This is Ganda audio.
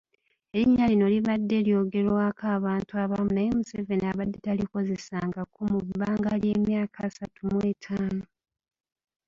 Erinnya lino libadde lyogerwako abantu abamu naye Museveni abadde talikozesangako mu bbanga ly'emyaka asatumw'etaano.